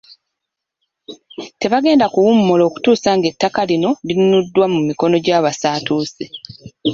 Tebagenda kuwummula okutuusa ng'ettaka lino linunuddwa mu mikono gy'abasatuusi.